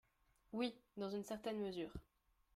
Oui, dans une certaine mesure.